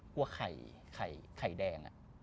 กลัวไข่แดง